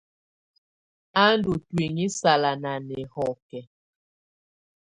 Á ndù ntuinyii sala nà nɛhɔkɛ.